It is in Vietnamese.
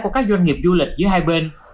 của các doanh nghiệp du lịch giữa hai bên